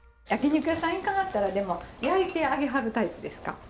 焼肉屋さん行かはったらでも焼いてあげはるタイプですか？